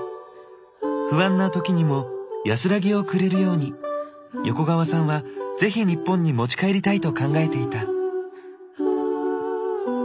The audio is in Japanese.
不安な時にも安らぎをくれるように横川さんはぜひ日本に持ち帰りたいと考えていた。